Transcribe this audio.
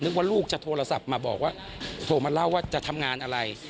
ว่าลูกจะโทรศัพท์มาบอกว่าโทรมาเล่าว่าจะทำงานอะไร